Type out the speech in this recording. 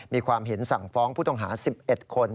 มีความเห็นสั่งฟ้องผู้ต้องหา๑๑คน